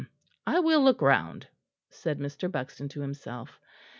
"I will look round," said Mr. Buxton to himself.